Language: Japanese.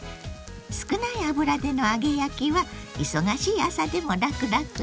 少ない油での揚げ焼きは忙しい朝でも楽々よ。